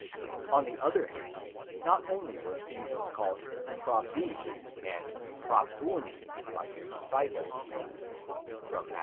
On the other hand, not only was Jesus called ῥαββὲ and paBBovvi by his disciples (Matt.